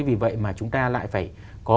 vì vậy chúng ta lại phải có